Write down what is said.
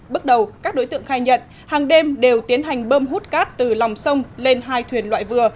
bước đầu các đối tượng khai nhận hàng đêm đều tiến hành bơm hút cát từ lòng sông lên hai thuyền loại vừa